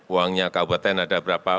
uangnya kabupaten ada berapa